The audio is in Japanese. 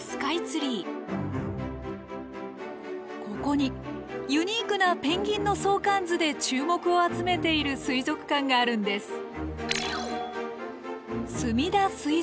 ここにユニークなペンギンの相関図で注目を集めている水族館があるんです。